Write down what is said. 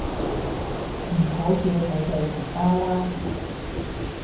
唔好叫佢哋同胞啦